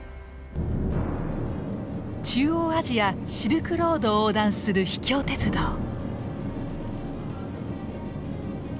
中央アジア・シルクロードを横断する秘境鉄道。